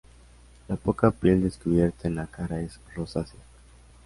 La poca piel descubierta en la cara es rosácea.